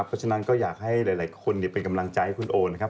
เพราะฉะนั้นก็อยากให้หลายคนเป็นกำลังใจให้คุณโอนะครับ